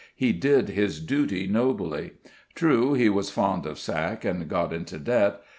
He did his duty nobly. True, he was fond of sack and got into debt.